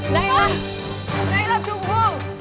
nailah nailah tunggu